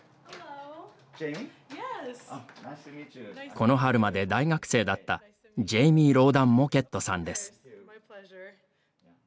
この春まで大学生だったジェイミー・ローダン・モケットさんです。